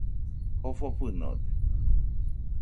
Jofo fɨnode